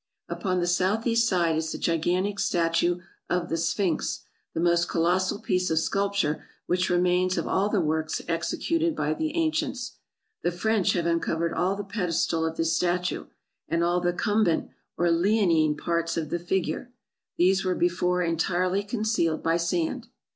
Upon the south east side is the gigantic statue of the Sphinx, the most colossal piece of sculpture which remains of all the works executed by the ancients. The French have uncovered all the pedestal of this statue, and all the cumbent or leonine parts of the figure; these were before entirely concealed by sand.